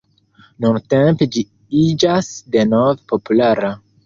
Nuntempe ĝi iĝas denove populara.